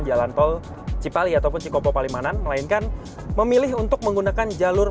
jalan tol cipali ataupun cikopo palimanan melainkan memilih untuk menggunakan jalur